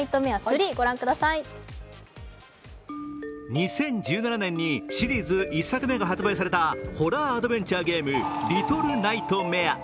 ２０１７年にシリーズ１作目が発売されたホラーアドベンチャーゲーム「リトルナイトメア」。